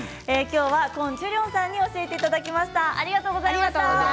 コン・チュリョンさんに教えていただきました。